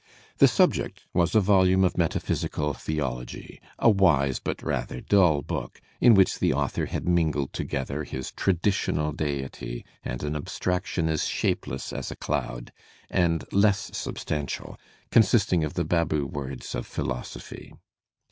The subject was a volume of metaphysical theolojgy, a wise but rather dull book, in which the author had mingled together his traditional deity and an abstraction as shapeless as a cloud, and less substantial, consisting of the Babu words of philosophy.